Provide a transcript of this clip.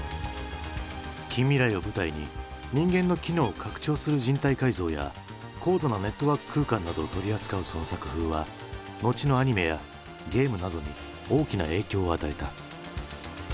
近未来を舞台に人間の機能を拡張する人体改造や高度なネットワーク空間などを取り扱うその作風は後のアニメやゲームなどに大きな影響を与えた。